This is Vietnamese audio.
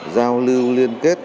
giao lưu liên kết